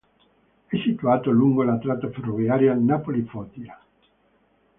È situato lungo la tratta ferroviaria Napoli-Foggia.